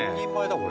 これ。